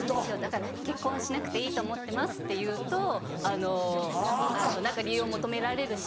だから「結婚はしなくていいと思ってます」って言うと何か理由を求められるし。